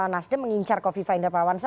nasdem mengincar kofi fa indah pawansa